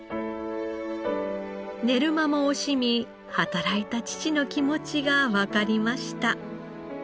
寝る間も惜しみ働いた父の気持ちがわかりました。